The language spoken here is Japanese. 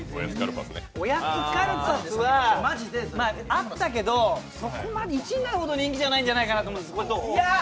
おやつカルパスはあったけどそこまで、１位になるほど人気じゃないかなと思うんです。